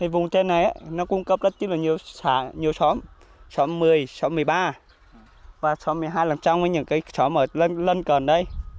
vùng trên này nó cung cấp rất nhiều xóm xóm một mươi xóm một mươi ba xóm một mươi hai làm trong với những cái xóm ở lân cận đây